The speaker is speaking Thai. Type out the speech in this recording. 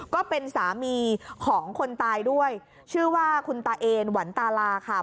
ก็เป็นสามีของคนตายด้วยชื่อว่าคุณตาเอนหวันตาลาค่ะ